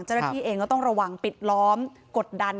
เจ้าหน้าที่เองก็ต้องระวังปิดล้อมกดดัน